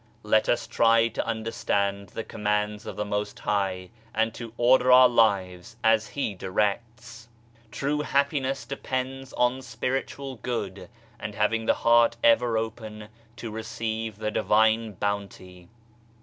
Let us try to under stand the Commands of the Most High and to order our lives as He directs. True happiness depends on Spiritual good and having the heart ever open to receive the Divine Bounty.